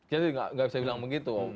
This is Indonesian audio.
jadi tidak bisa dibilang begitu